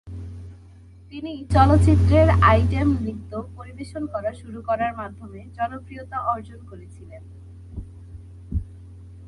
তিনি চলচ্চিত্রের আইটেম নৃত্য পরিবেশন করা শুরু করার মাধ্যমে জনপ্রিয়তা অর্জন করেছিলেন।